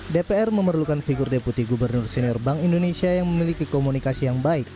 dpr memerlukan figur deputi gubernur senior bank indonesia yang memiliki komunikasi yang baik